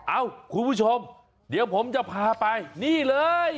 เอ้าคุณผู้ชมเดี๋ยวผมจะพาไปนี่เลย